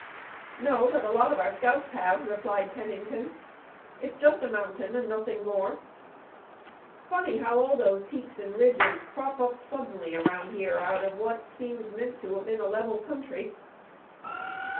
"No; but a lot of our scouts have," replied Pennington. "It's just a mountain and nothing more. Funny how all those peaks and ridges crop up suddenly around here out of what seems meant to have been a level country."